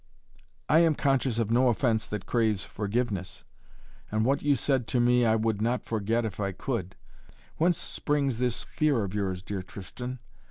"I am conscious of no offence that craves forgiveness, and what you have said to me I would not forget if I could. Whence springs this fear of yours, dear Tristan?